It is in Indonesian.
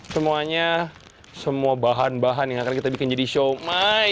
semuanya semua bahan bahan yang akan kita bikin jadi siomay